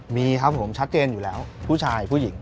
มีครับผมชัดเจนอยู่แล้วผู้ชายผู้หญิง